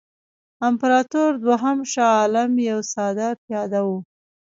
امپراطور دوهم شاه عالم یو ساده پیاده وو.